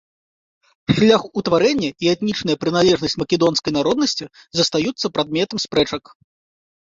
Шлях утварэння і этнічная прыналежнасць македонскай народнасці застаюцца прадметам спрэчак.